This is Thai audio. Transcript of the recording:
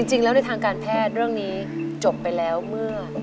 จริงแล้วในทางการแพทย์เรื่องนี้จบไปแล้วเมื่อ